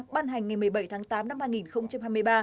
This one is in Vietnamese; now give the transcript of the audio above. ban hành ngày một mươi bảy tháng tám năm